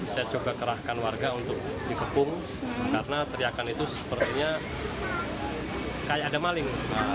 saya coba kerahkan warga untuk dikepung karena teriakan itu sepertinya kayak ada maling